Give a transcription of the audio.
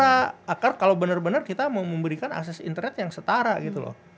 agar kalau benar benar kita mau memberikan akses internet yang setara gitu loh